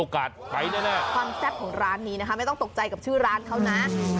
ไปแน่ความแซ่บของร้านนี้นะคะไม่ต้องตกใจกับชื่อร้านเขานะ